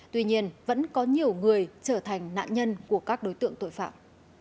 tuy nhiên vẫn có nhiều người trở thành nạn nhân của các đối tượng tội phạm